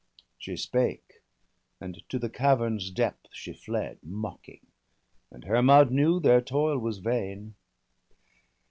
She spake, and to the cavern's depth she fled, Mocking; and Hermod knew their toil was vain.